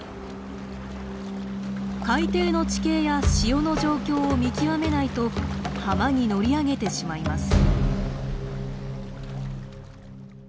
海底の地形や潮の状況を見極めないと浜に乗り上げてしまいます。